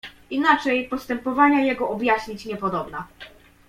"Inaczej postępowania jego objaśnić niepodobna."